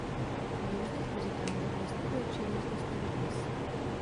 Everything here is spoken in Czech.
V různých muzikálech vystupuje příležitostně dodnes.